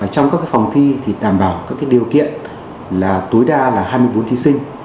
trong các phòng thi thì đảm bảo các điều kiện là tối đa là hai mươi bốn thí sinh